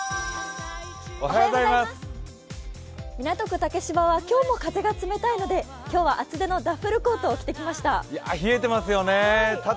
港区竹芝は今日も風が冷たいので今日は厚手のダッフルコートを着てきました。